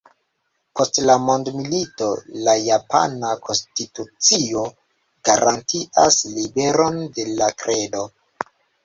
Post la mondomilito la japana konstitucio garantias liberon de la kredo.